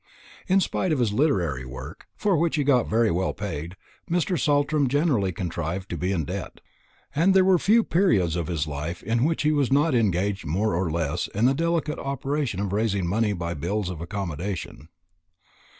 In spite of this literary work, for which he got very well paid, Mr. Saltram generally contrived to be in debt; and there were few periods of his life in which he was not engaged more or less in the delicate operation of raising money by bills of accommodation.